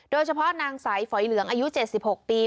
โดยเฉพาะนางใสฝอยเหลืองอายุ๗๖ปี